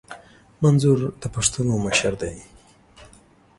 منظور د پښتنو مشر دي